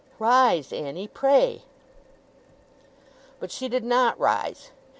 Rise, Annie, pray!' But she did not rise.